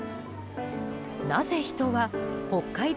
なぜ人は北海道